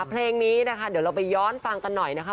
เพลงนี้นะคะเดี๋ยวเราไปย้อนฟังกันหน่อยนะคะ